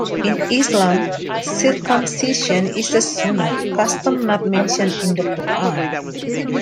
In Islam, circumcision is a "Sunnah" custom not mentioned in the Qur'an.